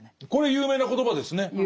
有名な言葉ですね。